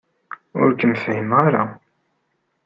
Ur kem-fhimeɣ ara.